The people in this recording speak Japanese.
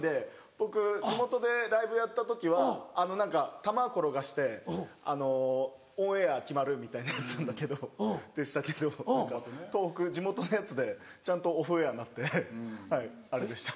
僕地元でライブやった時は何か球転がしてオンエア決まるみたいなやつでしたけど東北地元のやつでちゃんとオフエアになってあれでした。